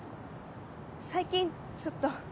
最近ちょっと。